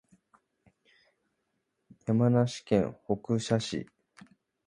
山梨県北杜市